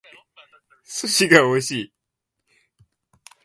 寿司が美味しい